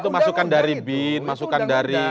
itu masukan dari bin masukan dari